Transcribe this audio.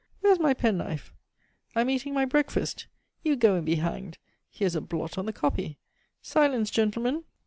"Where is my penknife?" "I am eating my breakfast." "You go and be hanged! here is a blot on the copy." "Silence, gentlemen!"